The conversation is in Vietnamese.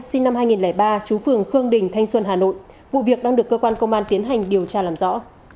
sinh năm hai nghìn ba chú phường khương đình thanh xuân hà nội vụ việc đang được cơ quan công an tiến hành điều tra làm rõ